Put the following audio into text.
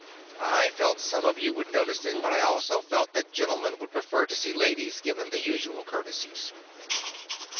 "I felt some of you would notice it, but I also felt that gentlemen would prefer to see ladies given the usual courtesies."